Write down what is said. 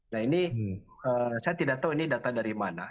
nah ini saya tidak tahu ini data dari mana